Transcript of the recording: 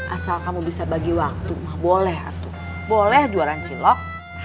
asal kamu bisa bagi waktu boleh atau boleh jualan cilok